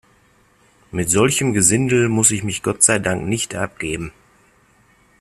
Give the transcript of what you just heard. Mit solchem Gesindel muss ich mich Gott sei Dank nicht abgeben.